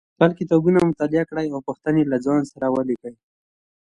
خپل کتابونه مطالعه کړئ او پوښتنې له ځان سره ولیکئ